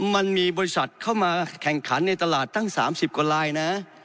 มันมีบริษัทเข้ามาแข่งขันในตลาดตั้ง๓๐กว่าลายนะ